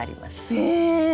へえ！